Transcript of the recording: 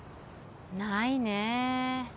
ないね